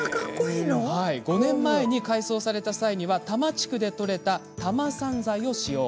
５年前に改装された際には多摩地区で取れた多摩産材を使用。